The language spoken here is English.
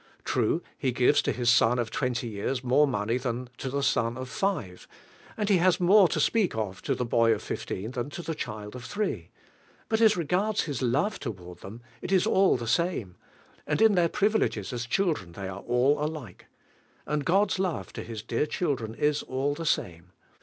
True, he gives to his son of twenty years more money than to the son of five, and he has more to speak of to the l.o.v of lifleon than to Hie child of three; but, as regards his love toward them, it is ail the same, mid in their privi leges as children I hey an' all alike. And God's love fo His dear children is nil Hie same.